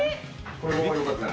これも、よかったら。